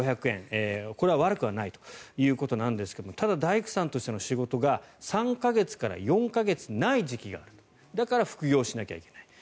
これは悪くはないということなんですがただ、大工さんとしての仕事が３か月から４か月ない時期があるだから副業しなきゃいけない。